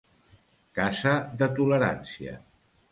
Casa de tolerància.